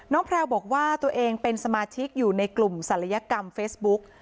แพลวบอกว่าตัวเองเป็นสมาชิกอยู่ในกลุ่มศัลยกรรมเฟซบุ๊ก